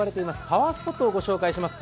パワースポットを紹介します。